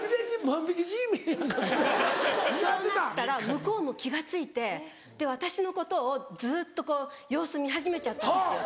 向こうも気が付いて私のことをずっとこう様子見始めちゃったんですよ。